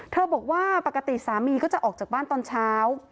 บอกว่าปกติสามีก็จะออกจากบ้านตอนเช้า